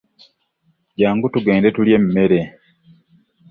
Jangu tugende tulye emmere.